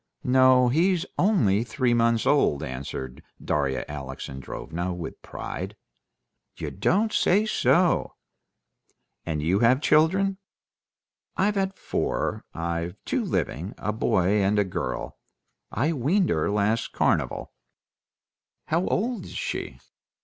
"No; he's only three months old," answered Darya Alexandrovna with pride. "You don't say so!" "And have you any children?" "I've had four; I've two living—a boy and a girl. I weaned her last carnival." "How old is she?"